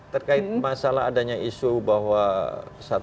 terkait masalah adanya isu bahwa satu mei akan berakhir